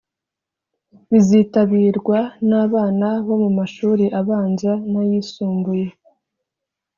bizitabirwa n’abana bo mu mashuri abanza n’ayisumbuye